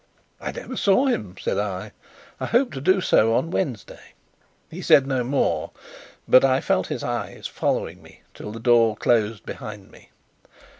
"I never saw him," said I. "I hope to do so on Wednesday." He said no more, but I felt his eyes following me till the door closed behind me.